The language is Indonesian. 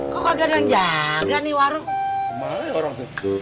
kagak jangan jaga nih warung